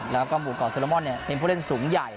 แล้วก็หมู่เกาะเซโลมอนเป็นผู้เล่นสูงใหญ่